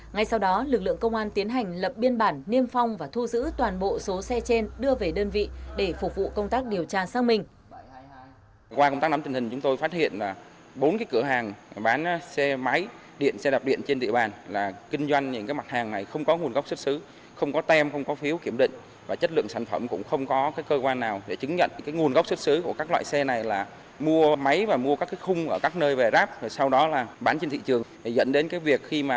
ngay sau đó lực lượng công an tiến hành lập biên bản niêm phong và thu giữ toàn bộ số xe trên đưa về đơn vị để phục vụ công tác điều tra xác minh